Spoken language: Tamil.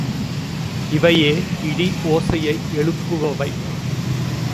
இவையே இடி ஒசையை எழுப்புபவை.